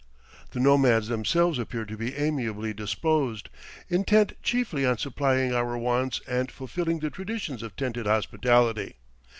The nomads themselves appear to be amiably disposed, intent chiefly on supplying our wants and fulfilling the traditions of tented hospitality.